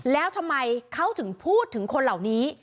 แล้วทำไมเขาถึงพูดถึงคนเหล่านี้